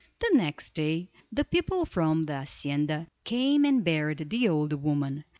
The next day the people from the hacienda came and buried the old woman.